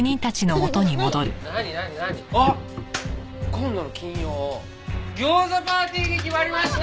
今度の金曜餃子パーティーに決まりました！